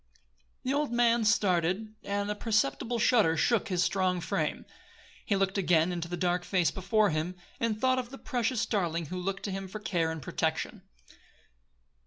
The old man started and a perceptible shudder shook his strong frame. He looked again into the dark face before him, and thought of the precious darling who looked to him for care and protection.